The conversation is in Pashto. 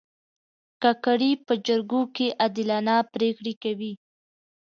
کاکړي په جرګو کې عادلانه پرېکړې کوي.